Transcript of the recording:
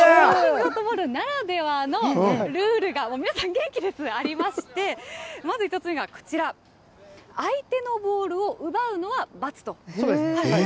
フットボールならではのルールが、皆さん、元気です、ありまして、まず１つ目がこちら、相手のボールを奪うのは×と。